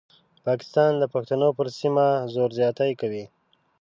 پاکستان د پښتنو پر سیمه زور زیاتی کوي.